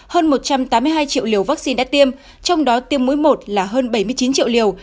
hơn một trăm tám mươi hai triệu liều vaccine đã tiêm trong đó tiêm mũi một là hơn bảy mươi chín triệu liều